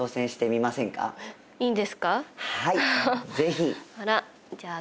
はい！